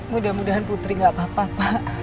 mudah mudahan putri gak apa apa pak